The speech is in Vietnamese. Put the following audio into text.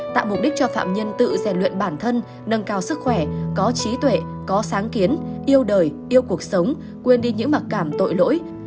tạo mục đích cho phạm nhân tự rèn luyện bản thân nâng cao sức khỏe có trí tuệ có sáng kiến yêu đời yêu cuộc sống quên đi những mặc cảm tội lỗi